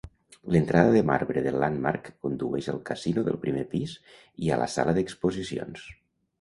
L'entrada de marbre del Landmark condueix al casino del primer pis i a la sala d'exposicions.